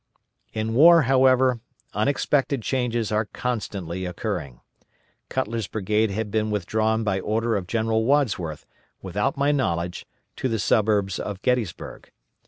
In war, however, unexpected changes are constantly occurring. Cutler's brigade had been withdrawn by order of General Wadsworth, without my knowledge, to the suburbs of Gettysburg.